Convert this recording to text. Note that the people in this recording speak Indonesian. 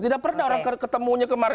tidak pernah orang ketemunya kemarin